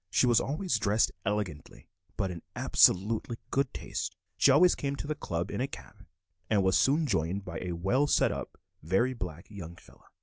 She was always dressed elegantly, but in absolute good taste. She always came to the "Club" in a cab, and was soon joined by a well set up, very black young fellow.